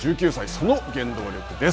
その原動力です。